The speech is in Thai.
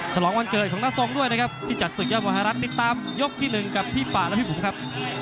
ชะลองวันเกิดของน้าทรงด้วยนะครับจิตจัดศึกยามวหารักษ์ติดตามยกที่หนึ่งกับพี่ป่าและพี่ปุ๋มครับ